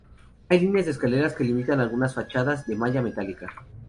Hay líneas de escaleras que limitan algunas fachadas de malla metálica.